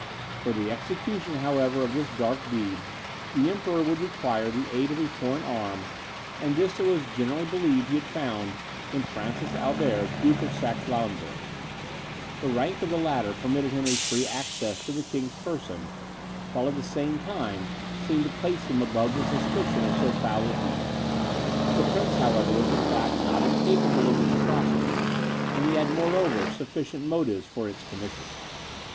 For the execution, however, of this dark deed, the Emperor would require the aid of a foreign arm, and this it was generally believed he had found in Francis Albert, Duke of Saxe Lauenburg. The rank of the latter permitted him a free access to the king's person, while it at the same time seemed to place him above the suspicion of so foul a deed. This prince, however, was in fact not incapable of this atrocity, and he had moreover sufficient motives for its commission.